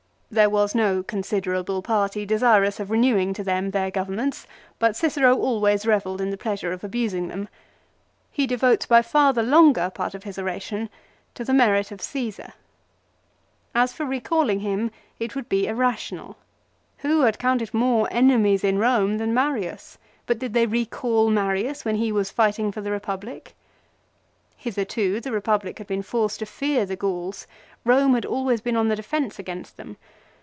There was no consider able party desirous of renewing to them their governments ; but Cicero always revelled in the pleasure of abusing them. He devotes by far the longer part of his oration to the merit of Caesar. 1 As for recalling him it would be irrational. Who had counted more enemies in Eome than Marius, but did they recall Marius when he was fighting for the Republic ? 2 Hitherto the Eepublic had been forced to fear the Gauls. Rome had always been on the defence against them.